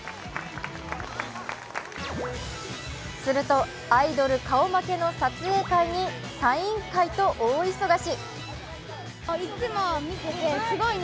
するとアイドル顔負けの撮影会にサイン会と大忙し。